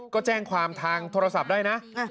ก็แจ้งความทางโทรศัพท์ได้นะ